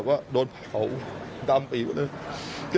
แล้วก็โดนเผาดำปีดสวบ